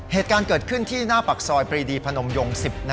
เหตุการณ์เกิดขึ้นที่หน้าปากซอยปรีดีพนมยง๑๑